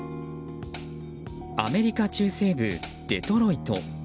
アメリカ中西部デトロイト。